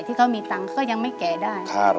ที่เขามีตังค์ก็ยังไม่แก่ได้